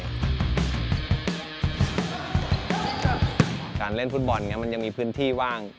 การเล่นฟุตบอลมันยังมีพื้นที่ว่าง